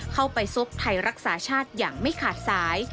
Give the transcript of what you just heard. เข้าไปซบไทยรักษาชาติอย่างไม่ขาดสาย